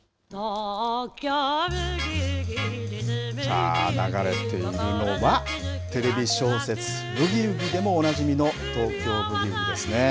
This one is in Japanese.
さあ、流れているのはテレビ小説ブギウギでもおなじみの東京ブギウギですね。